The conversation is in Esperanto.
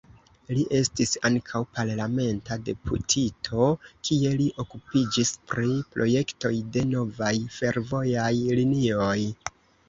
Li estis ankaŭ parlamenta deputito, kie li okupiĝis pri projektoj de novaj fervojaj linioj.